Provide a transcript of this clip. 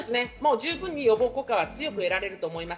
十分に予防効果は強く得られると思います。